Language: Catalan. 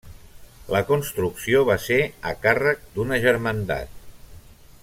La construcció va ser a càrrec d'una germandat.